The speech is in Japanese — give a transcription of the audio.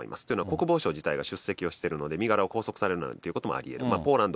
というのは国防相自体が出席してるので、身柄を拘束されるなんてこともありうる、ぽー